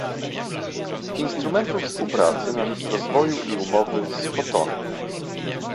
instrumentu współpracy na rzecz rozwoju i umowy z Kotonu